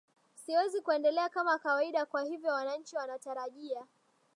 siwezi kuendelea kama kawaida kwa hivyo wananchi wanatarajia